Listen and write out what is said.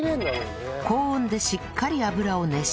高温でしっかり油を熱したら